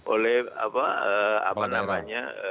oleh apa namanya